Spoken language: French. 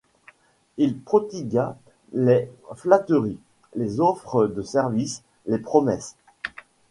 Il prodigua les flatteries, les offres de services, les promesses.